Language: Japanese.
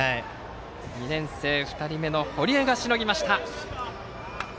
２年生、２人目の堀江がしのぎました。